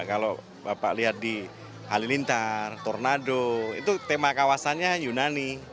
kalau bapak lihat di halilintar tornado itu tema kawasannya yunani